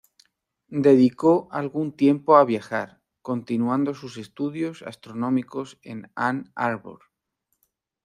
Dedicó algún tiempo a viajar, continuando sus estudios astronómicos en Ann Arbor.